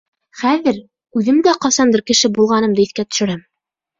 — Хәҙер... үҙем дә ҡасандыр кеше булғанымды иҫкә төшөрәм.